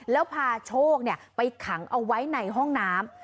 แล้วพาโชคไปขังเอาไว้ในห้องน้ำ